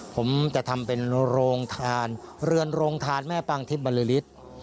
ผมจะทำเป็นโรงทานเรือนโรงทานแม่ปังทิศบริษฐ์